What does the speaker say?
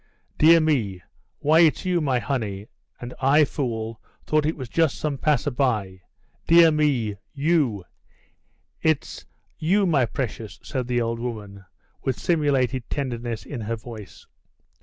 "Dear me; why, it's you, my honey; and I, fool, thought it was just some passer by. Dear me, you it's you, my precious," said the old woman, with simulated tenderness in her voice.